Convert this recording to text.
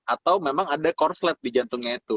atau memang ada korslet di jantungnya itu